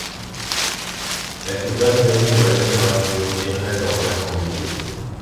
Elle se passionne pour la littérature et rêve d'en faire son métier.